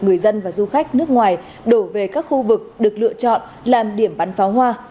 người dân và du khách nước ngoài đổ về các khu vực được lựa chọn làm điểm bắn pháo hoa